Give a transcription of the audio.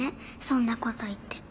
そんなこと言って。